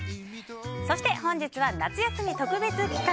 そして、本日は夏休み特別企画。